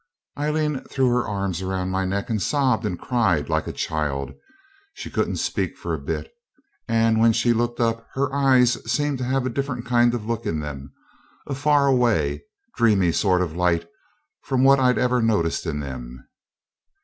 Aileen threw her arms round my neck and sobbed and cried like a child; she couldn't speak for a bit, and when she looked up her eyes seemed to have a different kind of look in them a far away, dreamy sort of light from what I'd ever noticed in them.